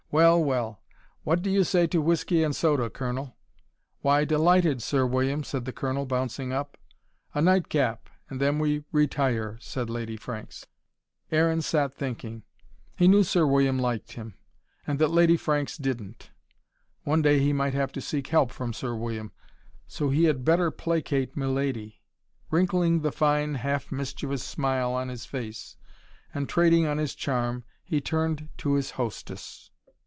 "Well, well! What do you say to whiskey and soda, Colonel?" "Why, delighted, Sir William," said the Colonel, bouncing up. "A night cap, and then we retire," said Lady Franks. Aaron sat thinking. He knew Sir William liked him: and that Lady Franks didn't. One day he might have to seek help from Sir William. So he had better placate milady. Wrinkling the fine, half mischievous smile on his face, and trading on his charm, he turned to his hostess.